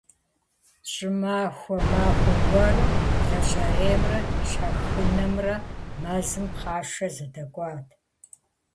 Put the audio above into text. ЩӀымахуэ махуэ гуэрым лэжьэреймрэ щхьэхынэмрэ мэзым пхъашэ зэдэкӀуат.